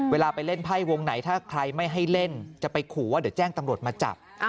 เวลาไปเล่นไพ่วงไหนถ้าใครไม่ให้เล่นจะไปขู่ว่าเดี๋ยวแจ้งตำรวจมาจับ